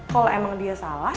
kalo emang dia salah